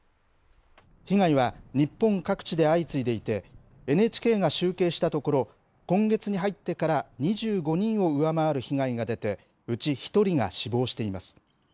被害は日本各地で相次いでいて、ＮＨＫが集計したところ、今月に入ってから２５人を上回る被害が出て、うち１人が死亡しています。